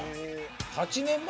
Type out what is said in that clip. ８年前？